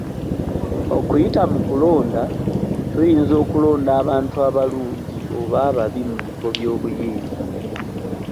"Okuyita mu kulonda, Tuyinza okulonda abantu abalungi oba ababi mu bifo by'obuyinza."